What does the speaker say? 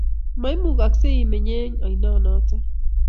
Maimukoksei imeny eng oinonoto